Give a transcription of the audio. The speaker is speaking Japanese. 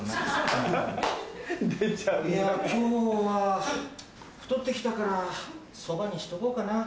いや今日は太ってきたからそばにしとこうかな。